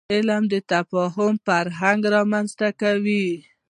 علم د تفاهم فرهنګ رامنځته کوي.